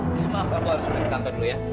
maaf aku harus pergi ke kantor dulu ya